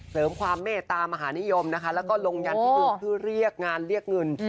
เสริมความเมตตามหานิยมนะคะแล้วก็ลงยันที่หนึ่งเพื่อเรียกงานเรียกเงิน